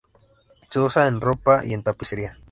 Se usa en ropa y en tapicería.